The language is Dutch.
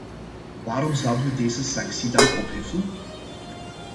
Waarom zouden we deze sanctie dan opheffen?